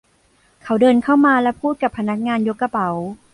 เขาเดินเข้ามาและพูดกับพนักงานยกกระเป๋า